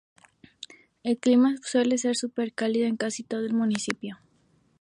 El clima suele ser cálido en casi todo el municipio.